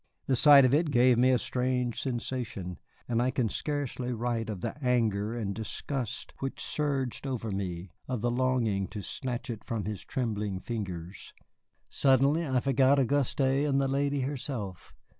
The sight of it gave me a strange sensation, and I can scarcely write of the anger and disgust which surged over me, of the longing to snatch it from his trembling fingers. Suddenly I forgot Auguste in the lady herself.